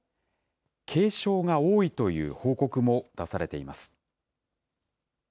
軽症が多いという報告も出されています。